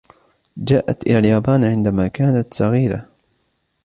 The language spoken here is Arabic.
جاءت اإلى اليابان عندما كانت صغيرة.